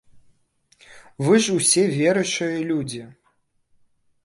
Вы ж усе веруючыя людзі!